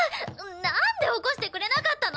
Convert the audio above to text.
なんで起こしてくれなかったの！？